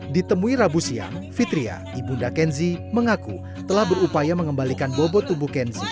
ditemui rabu siang fitria ibunda kenzi mengaku telah berupaya mengembalikan bobot tubuh kenzi